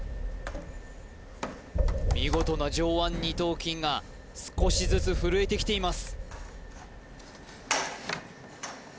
見事な上腕二頭筋が少しずつ震えてきています